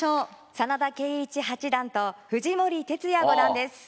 真田圭一八段と藤森哲也五段です。